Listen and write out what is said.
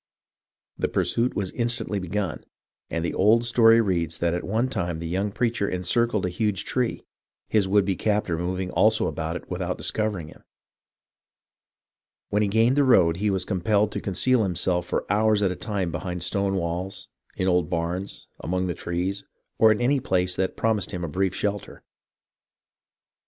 The pursuit was instantly begun, and the old story reads that at one time the young preacher encircled a huge tree, his would be captor moving also about it without discovering him. When he gained the road, he was compelled to conceal himself for hours at a time behind stone walls, in old barns, among the trees, or in any place that promised him a brief shelter.